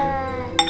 namanya parcok tari